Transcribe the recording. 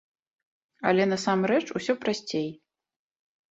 Але насамрэч усё прасцей.